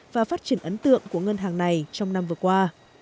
và phát triển ấn tượng của ngân hàng này trong năm vừa qua